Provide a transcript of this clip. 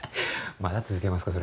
まだ続けますか？